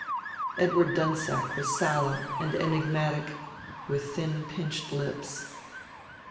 Edward Dunsack was sallow and enigmatic, with thin pinched lips.